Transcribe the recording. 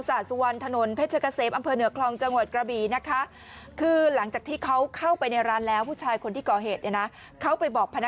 สาสหวันบผัชเชพ